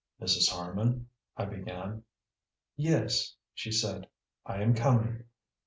"Mrs. Harman " I began. "Yes?" she said. "I am coming."